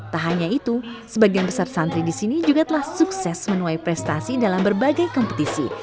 tak hanya itu sebagian besar santri di sini juga telah sukses menuai prestasi dalam berbagai kompetisi